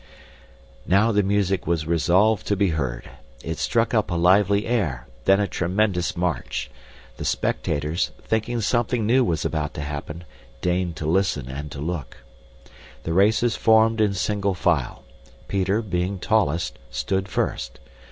Now the music was resolved to be heard. It struck up a lively air, then a tremendous march. The spectators, thinking something new was about to happen, deigned to listen and to look. The racers formed in single file. Peter, being tallest, stood first.